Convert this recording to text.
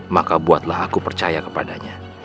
maka buatlah aku percaya kepadanya